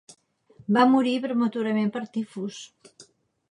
Va morir prematurament per tifus.